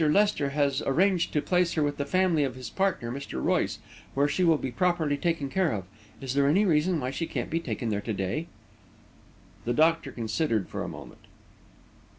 Lester has arranged to place her with the family of his partner, Mr. Royce, where she will be properly taken care of. Is there any reason why she can't be taken there to day?" The doctor considered for a moment.